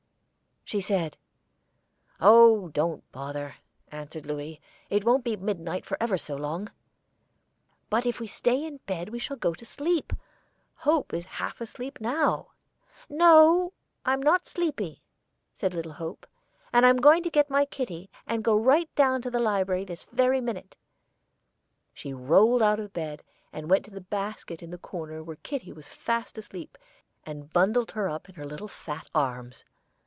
she said. "Oh, don't bother," answered Louis. "It won't be midnight for ever so long." "But if we stay in bed we shall go to sleep. Hope is half asleep now." "No, I'm not sleepy," said little Hope, "and I'm going to get my kitty and go right down to the library this very minute." She rolled out of bed, and went to the basket in the corner where kitty was fast asleep, and bundled her up in her little fat arms.